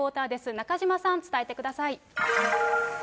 中島さん、伝えてください。